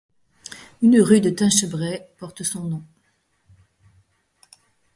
Une rue de Tinchebray porte son nom.